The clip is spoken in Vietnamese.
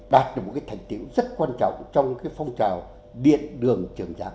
đạt được một cái thành tiệm rất quan trọng trong cái phong trào điện đường trường giảng